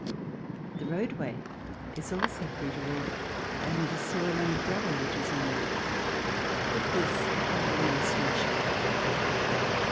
The roadway is also free to all, and the soil and the gravel which is on it, witness the following illustration.